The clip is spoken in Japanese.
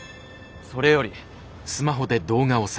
それより。